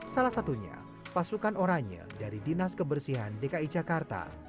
salah satunya pasukan oranye dari dinas kebersihan dki jakarta